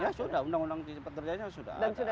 ya sudah undang undang cipta kerjanya sudah ada